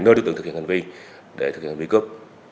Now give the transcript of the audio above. nơi đối tượng thực hiện hành vi để thực hiện hành vi cướp